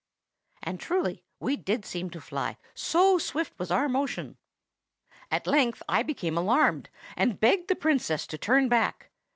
And truly we did seem to fly, so swift was our motion. At length I became alarmed, and begged the Princess to turn back.